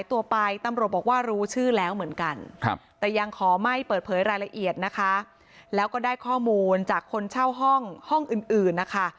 แต่ยังขอไม่เปิดเผยรายละเอียดแล้วก็ได้ข้อมูลจากคนเช่าห้องอื่นนะคะ